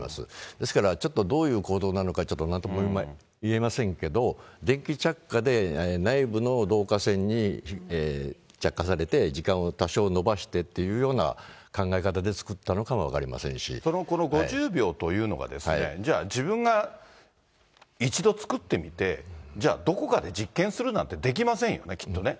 ですからちょっとどういう構造なのか、なんとも言えませんけど、電気着火で内部の導火線に着火されて、時間を多少延ばしてっていうような考え方で作ったのか分かりませそのこの５０秒というのがですね、じゃあ自分が一度作ってみて、じゃあ、どこかで実験するなんてできませんよね。